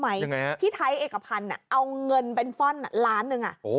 พี่ไทยเอกพันธุ์น่ะเอาเงินเป็นฟอนด์ล้านหนึ่งอ่ะ